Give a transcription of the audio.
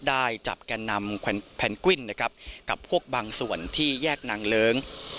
ได้จับแก่นำแพนกวิ้นนะครับกับพวกบางส่วนที่แยกนางเลิ้ง